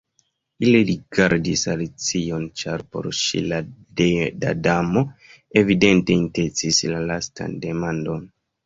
Ili rigardis Alicion, ĉar por ŝi la Damo evidente intencis la lastan demandon.